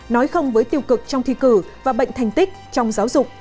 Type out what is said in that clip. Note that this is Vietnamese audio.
nói không với tiêu cực trong thi cử và bệnh thành tích trong giáo dục